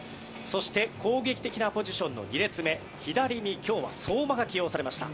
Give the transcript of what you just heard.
そして攻撃的なポジションの２列目左に今日は相馬が起用されました。